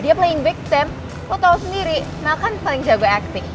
dia playing victim lo tau sendiri mel kan paling jago acting